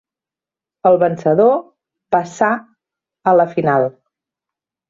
El vencedor passà a la final.